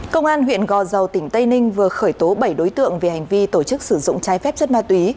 công an huyện gò dầu tỉnh tây ninh vừa khởi tố bảy đối tượng về hành vi tổ chức sử dụng trái phép chất ma túy